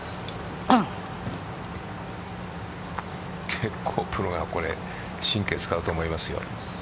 結構プロは神経使うと思います